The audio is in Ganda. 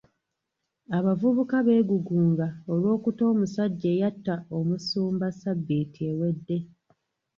Abavubuka beegugunga olw'okuta omusajja eyatta omusumba ssabbiiti ewedde.